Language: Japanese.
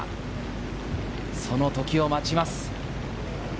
その時を待ちます。